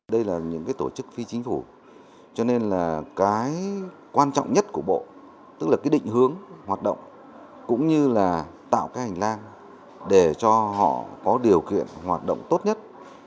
đây là những tổ chức phi chính phủ cho nên là cái quan trọng nhất của bộ tức là cái định hướng hoạt động cũng như là tạo cái hành lang để cho họ có điều kiện hoạt động tốt nhất